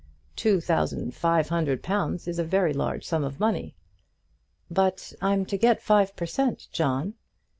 "Two thousand five hundred pounds is a very large sum of money." "But I'm to get five per cent, John."